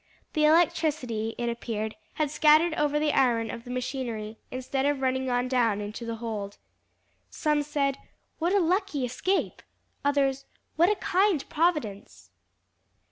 The electricity, it appeared, had scattered over the iron of the machinery, instead of running on down into the hold. Some said, "What a lucky escape!" others, "What a kind providence."